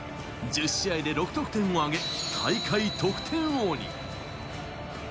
１０試合で６得点を挙げ、大会得点王に。